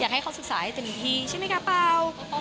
ให้เขาศึกษาให้เต็มที่ใช่ไหมคะเปล่า